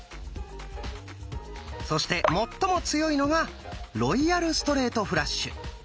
そして最も強いのが「ロイヤルストレートフラッシュ」。